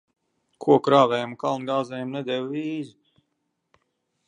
Koku rāvējam un kalnu gāzējam nedeva vīzu.